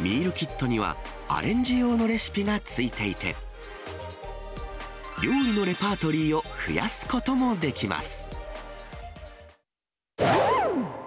ミールキットには、アレンジ用のレシピがついていて、料理のレパートリーを増やすこともできます。